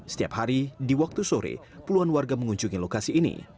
setiap hari di waktu sore puluhan warga mengunjungi lokasi ini